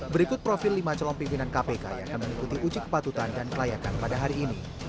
berikut profil lima calon pimpinan kpk yang akan mengikuti uji kepatutan dan kelayakan pada hari ini